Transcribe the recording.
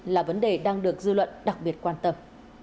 là vấn đề đang được dư luận đặc biệt quan tâm